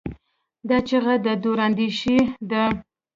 دا چیغه د دوراندیشۍ ده.